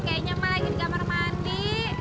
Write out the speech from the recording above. kayaknya emak lagi di kamar mandi